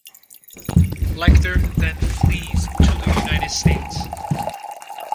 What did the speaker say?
Lecter then flees to the United States and immediately starts to follow Starling.